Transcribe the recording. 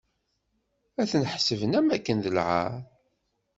Ad ten-ḥesben am wakken d lɛar.